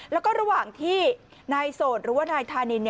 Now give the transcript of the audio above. แล้วก็ระหว่างที่นายโสดหรือว่านายธานิน